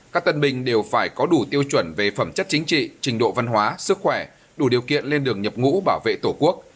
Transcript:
các tân binh đều phải có đủ tiêu chuẩn về phẩm chất chính trị trình độ văn hóa sức khỏe đủ điều kiện lên đường nhập ngũ bảo vệ tổ quốc